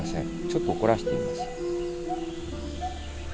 ちょっと怒らせてみます。